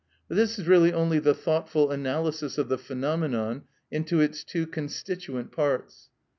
But this is really only the thoughtful analysis of the phenomenon into its two constituent parts.